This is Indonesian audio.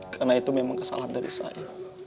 karena itu memang kesalahan dari saya